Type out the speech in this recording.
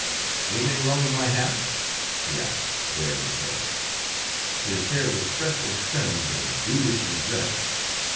Anything wrong with my hat?" he asked, baring his head. His hair was freshly trimmed and dudishly dressed.